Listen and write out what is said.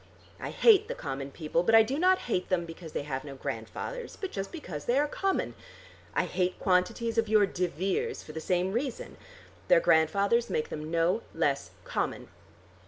I hate the common people, but I do not hate them because they have no grandfathers, but just because they are common. I hate quantities of your de Veres for the same reason. Their grandfathers make them no less common.